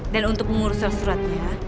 dan untuk menguruskan suratnya